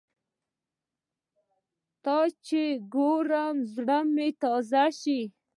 تاته چې ګورم، زړه مې تازه شي